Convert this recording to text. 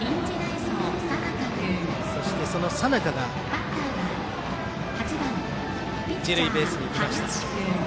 そして、その佐仲が一塁ベースに行きました。